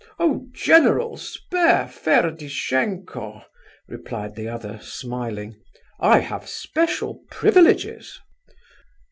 "Oh general, spare Ferdishenko!" replied the other, smiling. "I have special privileges."